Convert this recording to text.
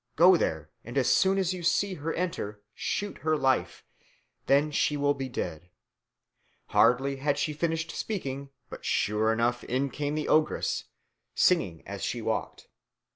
Go there, and as soon as you see her enter, shoot her life. Then she will be dead." Hardly had she finished speaking when sure enough in came the ogress, singing as she walked.